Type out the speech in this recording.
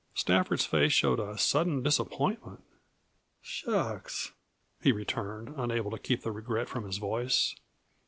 Stafford's face showed a sudden disappointment. "Shucks!" he returned, unable to keep the regret from his voice.